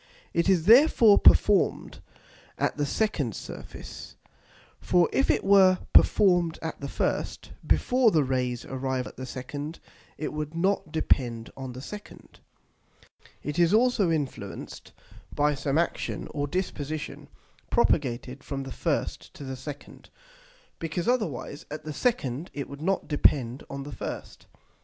It is therefore perform'd at the second Surface; for if it were perform'd at the first, before the Rays arrive at the second, it would not depend on the second. It is also influenced by some action or disposition, propagated from the first to the second, because otherwise at the second it would not depend on the first.